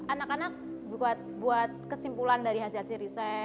anak anak buat kesimpulan dari hasil hasil riset